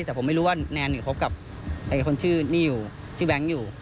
แต่ผมไม่รู้ว่าแนนคบกับคนชื่อนี่อยู่ชื่อแบงค์อยู่